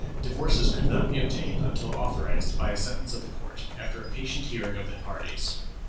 Divorces could not be obtained until authorized by a sentence of the court, after a patient hearing of the parties."